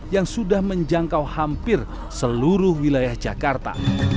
yang sudah menjangkau hampir seluruh wilayah jakarta